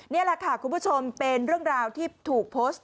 นี่แหละค่ะคุณผู้ชมเป็นเรื่องราวที่ถูกโพสต์